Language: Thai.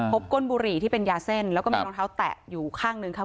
ก้นบุหรี่ที่เป็นยาเส้นแล้วก็มีรองเท้าแตะอยู่ข้างหนึ่งค่ะ